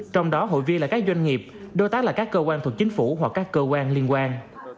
trong đó hội viên là các doanh nghiệp đối tác là các cơ quan thuộc chính phủ hoặc các cơ quan liên quan